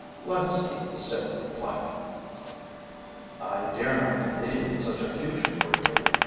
Let us keep the sacred plank.' I dare not believe in such a future for you.